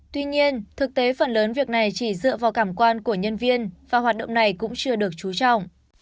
tuy nhiên thực tế phần lớn việc này chỉ dựa vào cảm quan của nhân viên và hoạt động này cũng chưa được trú trọng